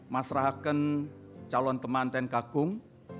masrahaken calon teman ten kagung